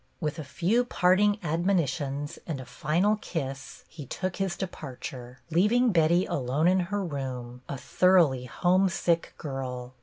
With a few parting admonitions and a final kiss he took his departure, leaving Betty alone in her room, a thoroughly homesick girl.